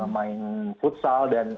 main futsal dan